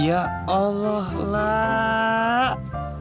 ya allah lah